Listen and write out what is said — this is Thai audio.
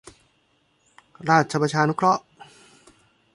ราชประชานุเคราะห์